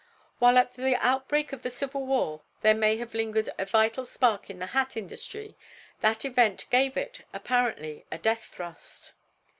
While at the outbreak of the Civil War there may have lingered a vital spark in the hat industry, that event gave it, apparently, a death thrust.